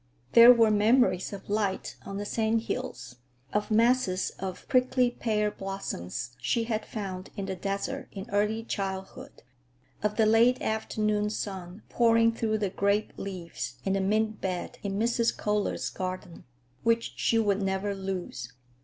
There were memories of light on the sand hills, of masses of prickly pear blossoms she had found in the desert in early childhood, of the late afternoon sun pouring through the grape leaves and the mint bed in Mrs. Kohler's garden, which she would never lose.